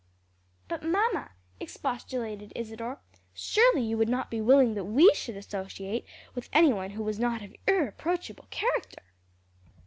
"But, mamma," expostulated Isadore, "surely you would not be willing that we should associate with any one who was not of irreproachable character?"